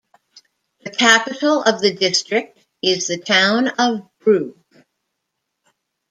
The capital of the district is the town of Brugg.